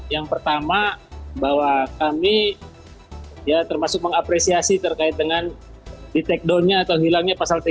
yang pertama bahwa kami termasuk mengapresiasi terkait dengan di take down nya atau hilangnya pasal tiga ratus lima puluh satu dan tiga ratus lima puluh dua